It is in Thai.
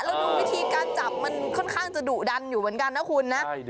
แล้วดูวิธีการจับมันค่อนข้างจะดุดันอยู่เหมือนกันนะคุณนะ